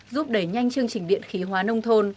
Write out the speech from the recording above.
giúp đẩy nhanh chương trình điện khí hóa nông thôn